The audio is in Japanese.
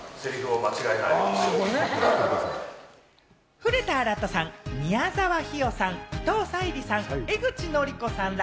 古田新太さん、宮沢氷魚さん、伊藤沙莉さん、江口のりこさんら